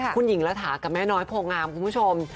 คุณหญิงระถากับแม่น้อยโพงามคุณผู้ชม